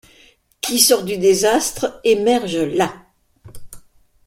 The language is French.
Qui sort du désastre, émerge là.